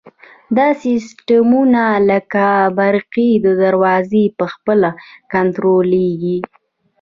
دا سیسټمونه لکه برقي دروازې په خپله کنټرولیږي.